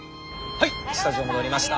はいスタジオ戻りました。